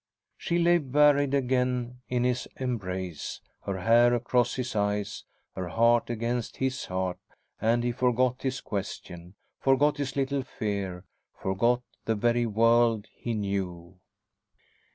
She lay buried again in his embrace, her hair across his eyes, her heart against his heart, and he forgot his question, forgot his little fear, forgot the very world he knew....